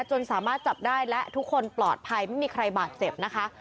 จนสามารถจับได้และทุกคนปลอดภัยไม่มีใครบาดเจ็บนะคะ